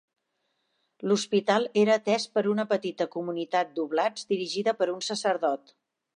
L'hospital era atès per una petita comunitat d'oblats dirigida per un sacerdot.